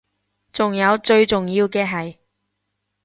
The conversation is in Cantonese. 仲有最重要嘅係